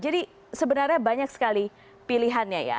jadi sebenarnya banyak sekali pilihannya ya